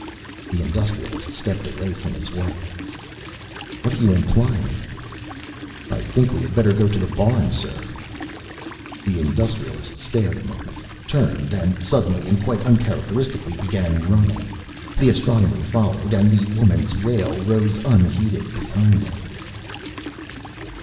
The Industrialist stepped away from his wife. "What are you implying?" "I think we had better go to the barn, sir!" The Industrialist stared a moment, turned and suddenly and quite uncharacteristically began running. The Astronomer followed and the woman's wail rose unheeded behind them.